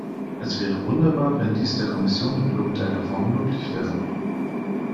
Es wäre wunderbar, wenn dies der Kommission in irgendeiner Form möglich wäre.